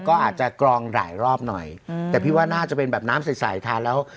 ก็อาจจะกรองหลายรอบหน่อยอืมแต่พี่ว่าน่าจะเป็นแบบน้ำใสทานแล้ว